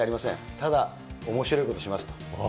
ただ、おもしろいことしますと。